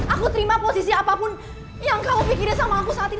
aku terima posisi apapun yang kau pikirin sama aku saat ini